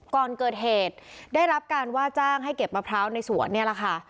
ก่อนเกิดเหตุได้รับการว่าจ้างให้เก็บมะพร้าวในสวนเนี่ยแหละค่ะ